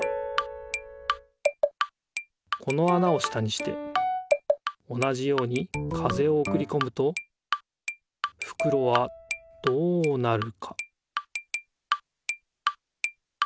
このあなを下にして同じように風をおくりこむとふくろはどうなるか？